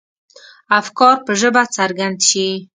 افکار په ژبه څرګند شي.